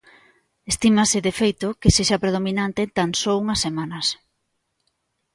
Estímase, de feito, que sexa a predominante en tan só unhas semanas.